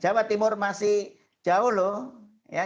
jawa timur masih jauh loh ya